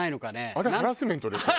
あれハラスメントですよ。